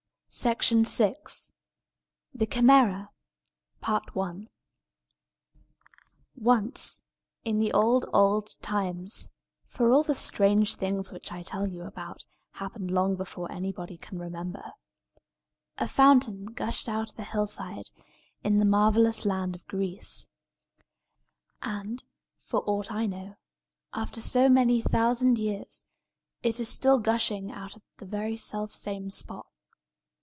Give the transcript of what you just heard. CHAPTER III THE CHIMÆRA Once, in the old, old times (for all the strange things which I tell you about happened long before anybody can remember), a fountain gushed out of a hillside, in the marvellous land of Greece. And, for aught I know, after so many thousand years, it is still gushing out of the very selfsame spot.